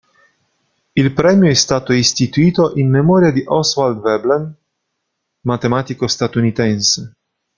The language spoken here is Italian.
Il premio è stato istituito in memoria di Oswald Veblen, matematico statunitense.